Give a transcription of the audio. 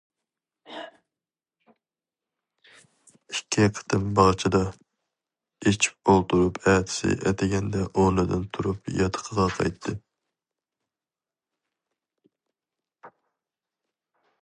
ئىككى قېتىم باغچىدا ئىچىپ ئولتۇرۇپ ئەتىسى ئەتىگەندە ئورنىدىن تۇرۇپ ياتىقىغا قايتتى.